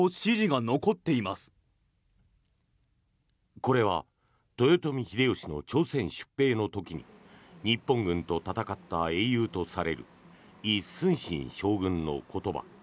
これは豊臣秀吉の朝鮮出兵の時に日本軍と戦った英雄とされるイ・スンシン将軍の言葉。